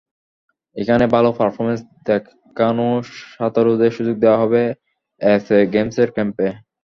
এখানে ভালো পারফরম্যান্স দেখানো সাঁতারুদের সুযোগ দেওয়া হবে এসএ গেমসের ক্যাম্পে।